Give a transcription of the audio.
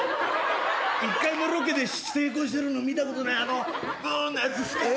１回もロケで成功してるの見たことないあのブーンのやつですか？